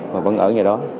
mà vẫn ở nhà đó